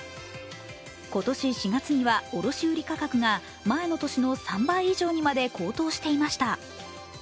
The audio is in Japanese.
今年４月には卸売価格が前の年の３倍以上にまで高騰していました。